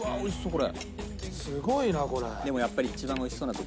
これ。